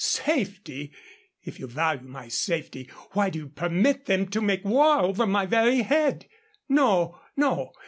Safety! If you value my safety, why do you permit them to make war over my very head? No, no.